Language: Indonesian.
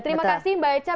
terima kasih mbak eca